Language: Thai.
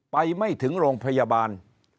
ไปไม่ถึงโรงพยาบาล